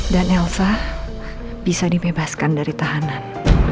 dan elsa bisa dibebaskan dari tahanan